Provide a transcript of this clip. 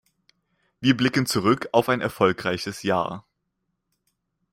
Wir blicken zurück auf ein erfolgreiches Jahr.